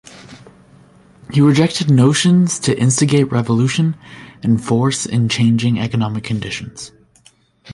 He rejected notions to instigate revolution and force in changing economic conditions.